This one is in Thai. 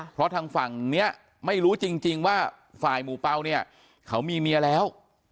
เพราะทางฝั่งนี้ไม่รู้จริงว่าฝ่ายหมู่เปล่าเนี่ยเขามีเมียแล้ว